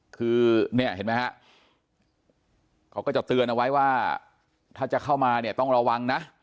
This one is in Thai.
คือเนี่ยเห็นไหมฮะเขาก็จะเตือนเอาไว้ว่าถ้าจะเข้ามาเนี่ยต้องระวังนะ